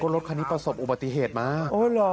รถคันนี้ประสบอุบัติเหตุมา